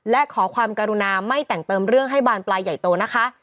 และขอความกรุณาไม่แต่งเติมเรื่องให้บานปลายใหญ่โตนะคะ